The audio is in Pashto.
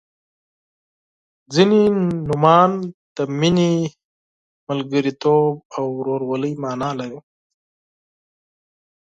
• ځینې نومونه د محبت، دوستۍ او ورورولۍ معنا لري.